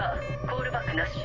コールバックなし。